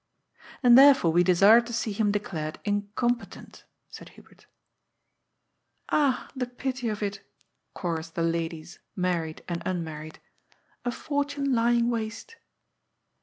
" And therefore we desire to see him declared incompe tent," said Hubert. " Ah, the pity of it !" chorused the ladies, married and unmarried. " A fortune lying waste."